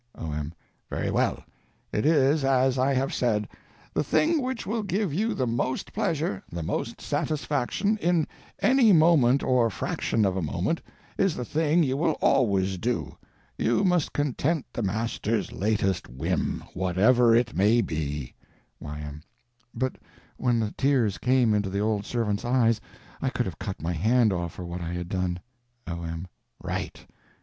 O.M. Very well, it is as I have said: the thing which will give you the _most _pleasure, the most satisfaction, in any moment or _fraction _of a moment, is the thing you will always do. You must content the Master's _latest _whim, whatever it may be. Y.M. But when the tears came into the old servant's eyes I could have cut my hand off for what I had done. O.M. Right.